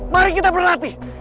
mari kita berlatih